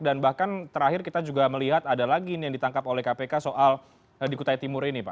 dan bahkan terakhir kita juga melihat ada lagi ini yang ditangkap oleh kpk soal di kutai timur ini pak